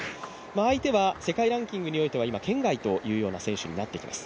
相手は世界ランキングにおいては圏外ということになっています。